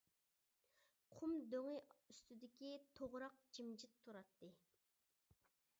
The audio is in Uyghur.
قۇم دۆڭى ئۈستىدىكى توغراق جىمجىت تۇراتتى.